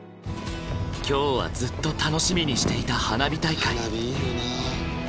今日はずっと楽しみにしていた花火大会。